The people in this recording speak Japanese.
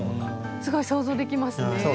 すごい想像できますね。